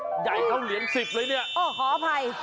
ใหญ่เท่าเหรียญ๑๐เลยนี่อ๋อขออภัย